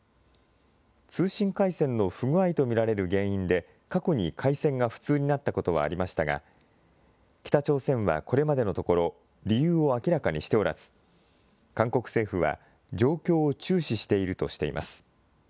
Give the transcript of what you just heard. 通信回線の不具合と見られる原因で、過去に回線が不通になったことはありましたが、北朝鮮はこれまでのところ、理由を明らかにしておらず、韓国政府は、状況を注視しているとしています。